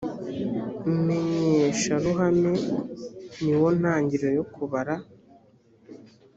menyesharuhame ni wo ntangiriro yo kubara